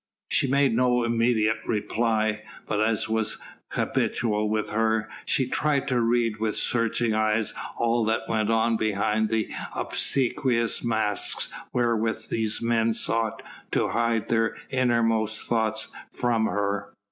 She made no immediate reply, but, as was habitual with her, she tried to read with searching eyes all that went on behind the obsequious masks wherewith these men sought to hide their innermost thoughts from her.